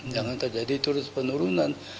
jangan terjadi terus penurunan